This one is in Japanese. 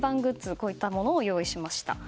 こういったもの、用意しました。